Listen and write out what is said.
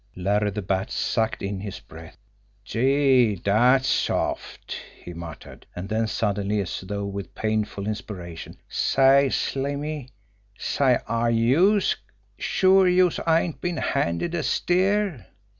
Larry the Bat sucked in his breath. "Gee, dat's soft!" he murmured, and then suddenly, as though with painful inspiration: "Say, Slimmy say, are youse sure youse ain't been handed a steer?"